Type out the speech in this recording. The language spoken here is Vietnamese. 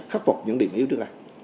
khắc phục những điểm yếu trước này